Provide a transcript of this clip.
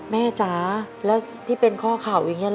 แม่จ๊ะแล้วที่เป็นข้อเข่าอย่างเงี้ย